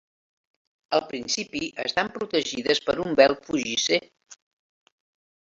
Al principi estan protegides per un vel fugisser.